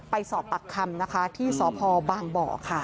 ไปสอบปากคำที่สพบางบ